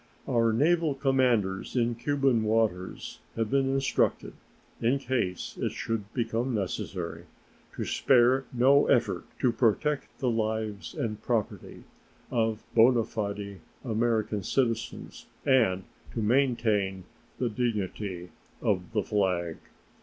Our naval commanders in Cuban waters have been instructed, in case it should become necessary, to spare no effort to protect the lives and property of bona fide American citizens and to maintain the dignity of the flag.